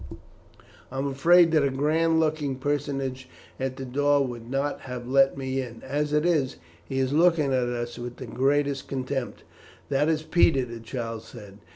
"I am afraid that grand looking personage at the door would not have let me in. As it is, he is looking at us with the greatest contempt." "That is Peter," the child said.